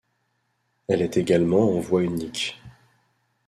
Elle est également en voie unique.